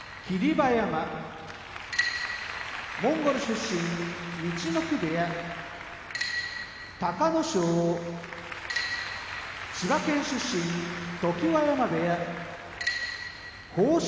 馬山モンゴル出身陸奥部屋隆の勝千葉県出身常盤山部屋豊昇